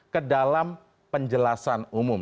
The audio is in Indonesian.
kedalam penjelasan umum